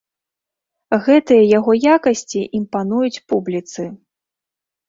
Гэтыя яго якасці імпануюць публіцы.